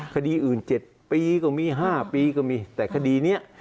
คดีอื่น๗ปีก็มี๕ปีก็มีแต่คดีนี้